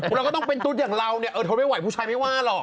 เราก็ต้องเป็นตุ๊ดอย่างเราเนี่ยเออทนไม่ไหวผู้ชายไม่ว่าหรอก